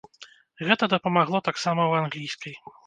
Гэта дапамагло таксама ў англійскай.